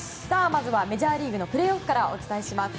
まずはメジャーリーグのプレーオフからお伝えします。